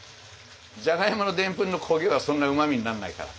じゃがいものでんぷんの焦げはそんなうま味になんないから。